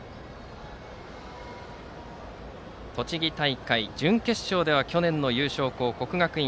栃木県大会準決勝では去年の優勝校国学院